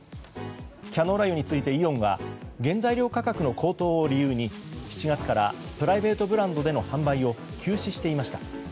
キャノーラ油についてイオンは原材料価格の高騰を理由に７月からプライベートブランドでの販売を休止していました。